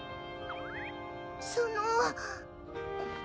その。